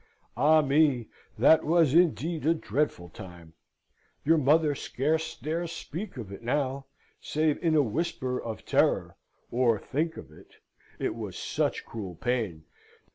Ah me! that was indeed a dreadful time! Your mother scarce dares speak of it now, save in a whisper of terror; or think of it it was such cruel pain.